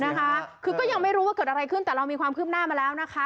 นะคะคือก็ยังไม่รู้ว่าเกิดอะไรขึ้นแต่เรามีความคืบหน้ามาแล้วนะคะ